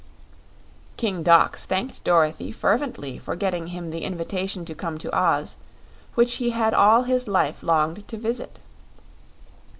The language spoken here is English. King Dox thanked Dorothy fervently for getting him the invitation to come to Oz, which he all his life longed to visit.